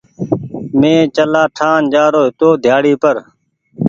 مين چلآ ٺآن جآرو هيتو ڍيآڙي پر۔